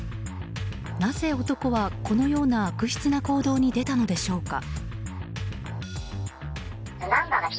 なぜ男はこのような悪質な行動に出たのでしょうか。